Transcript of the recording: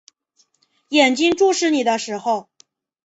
眼睛注视你的时候